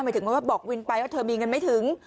หมายถึงว่าบอกวินไปว่าเธอมีเงินไม่ถึง